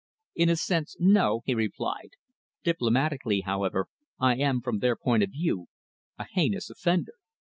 "In a sense, no," he replied. "Diplomatically, however, I am, from their point of view, a heinous offender.